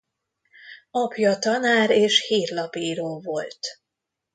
Apja tanár és hírlapíró volt.